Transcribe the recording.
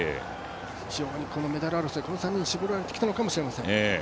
非常にメダル争い、この３人に絞られてきたのかもしれません。